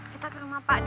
kita ke rumah pak d